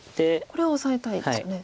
これはオサえたいですよね。